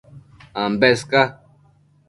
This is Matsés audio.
Ambes ca